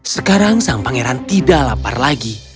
sekarang sang pangeran tidak lapar lagi